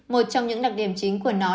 một trong những đặc điểm chính của nó